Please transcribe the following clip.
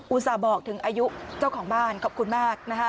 ส่าห์บอกถึงอายุเจ้าของบ้านขอบคุณมากนะคะ